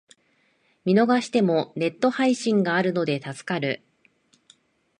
見逃してもネット配信があるので助かる